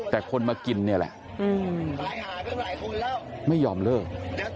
แต่คนมากินเนี่ยแหละไม่ยอมเลิก